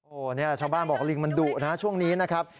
โอ้โหเนี่ยชาวบ้านบอกลิงมันดุนะช่วงนี้นะครับ